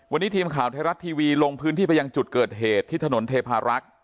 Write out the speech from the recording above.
วันนี้ทีมข่าวไทยรัฐทีวีลงพื้นที่ไปยังจุดเกิดเหตุที่ถนนเทพารักษ์